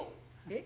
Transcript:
えっ？